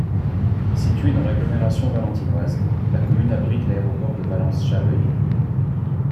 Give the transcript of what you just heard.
Située dans l'agglomération valentinoise, la commune abrite l'aéroport de Valence-Chabeuil.